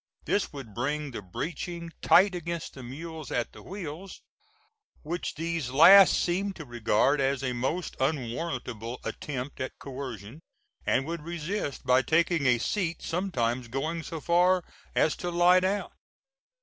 This would bring the breeching tight against the mules at the wheels, which these last seemed to regard as a most unwarrantable attempt at coercion and would resist by taking a seat, sometimes going so far as to lie down.